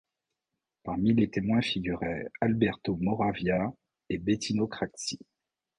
Parmi les témoins figuraient Alberto Moravia et Bettino Craxi.